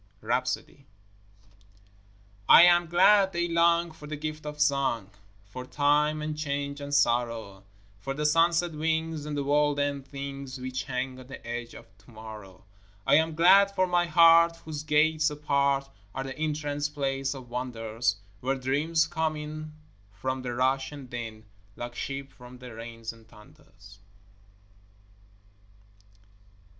RHAPSODY I am glad daylong for the gift of song, For time and change and sorrow; For the sunset wings and the world end things Which hang on the edge of to morrow. I am glad for my heart whose gates apart Are the entrance place of wonders, Where dreams come in from the rush and din Like sheep from the rains and thunders.